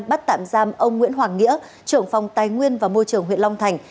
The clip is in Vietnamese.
bắt tạm giam ông nguyễn hoàng nghĩa trưởng phòng tài nguyên và môi trường huyện long thành